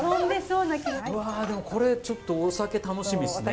うわでもこれちょっとお酒楽しみですね。